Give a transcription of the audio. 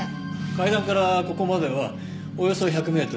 階段からここまではおよそ１００メートル。